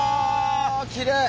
きれい！